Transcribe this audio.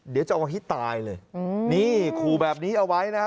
เดี๋ยวจะเอาให้ตายเลยนี่ขู่แบบนี้เอาไว้นะฮะ